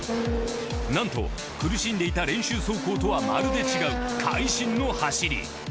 なんと苦しんでいた練習走行とはまるで違う会心の走り。